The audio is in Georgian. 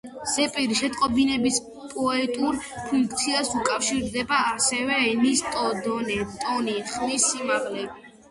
ზეპირი შეტყობინების პოეტურ ფუნქციას უკავშირდება ასევე ენის დონე, ტონი, ხმის სიმაღლე.